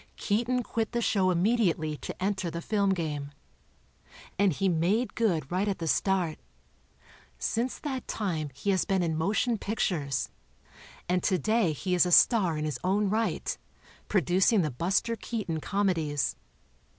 Keaton quit the show' immediately to enter the film game. And he made good right at the start. Since that time he has been in motion pictures, and today he is a star in his own right, producing the Buster Keaton Comedies.